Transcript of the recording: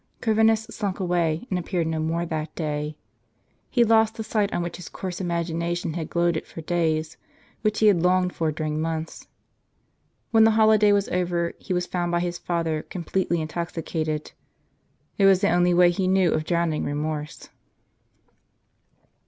Corvinus slunk away, and appeared no more that day. He lost the sight on which his coarse imagination had gloated for days, which he had longed for during months. When the holiday was over he was found by his father comjiletely intoxicated : it was the only way he knew of drowning remorse.